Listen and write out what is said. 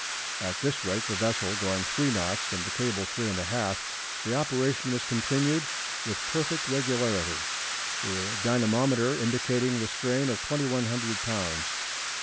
At this rate the vessel going three knots and the cable three and a half, the operation was continued with perfect regularity, the dynamometer indicating a strain of 2,100 lbs.